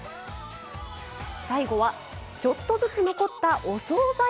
最後はちょっとずつ残ったお総菜。